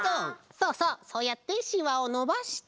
そうそうそうやってしわをのばして。